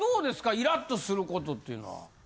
イラッ！とする事っていうのは？